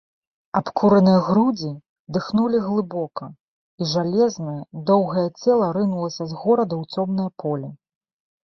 Абкураныя грудзі дыхнулі глыбока, і жалезнае, доўгае цела рынулася з горада ў цёмнае поле.